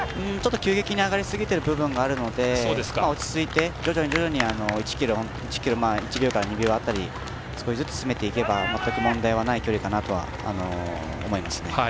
急激に上がりすぎている部分があるので、落ち着いて徐々に１ｋｍ１秒から２秒当たり少しずつ詰めていけば全く問題ない距離かなとは思いますね。